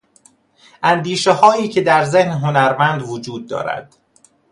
اندیشههایی که در ذهن هنرمند وجود دارد